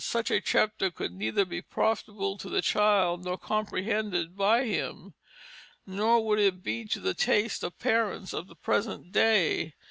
Such a chapter could neither be profitable to the child nor comprehended by him, nor would it be to the taste of parents of the present day.